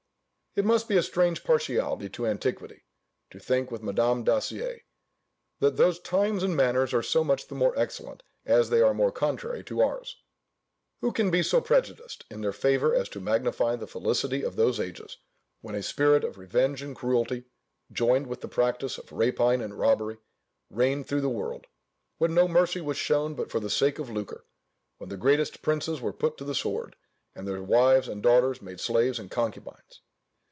It must be a strange partiality to antiquity, to think with Madame Dacier, "that those times and manners are so much the more excellent, as they are more contrary to ours." Who can be so prejudiced in their favour as to magnify the felicity of those ages, when a spirit of revenge and cruelty, joined with the practice of rapine and robbery, reigned through the world: when no mercy was shown but for the sake of lucre; when the greatest princes were put to the sword, and their wives and daughters made slaves and concubines?